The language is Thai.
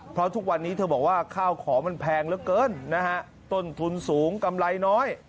เพราะทุกวันนี้เธอบอกว่าข้าวของมันแพงเหลือเกินนะฮะต้นทุนสูงกำไรน้อย